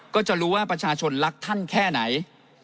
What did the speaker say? ก็จะรู้ว่าประชาชนรักท่านแค่ไหน